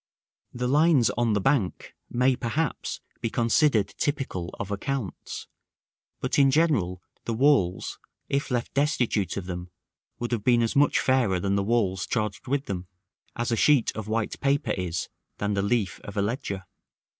The lines on the Bank may, perhaps, be considered typical of accounts; but in general the walls, if left destitute of them, would have been as much fairer than the walls charged with them, as a sheet of white paper is than the leaf of a ledger.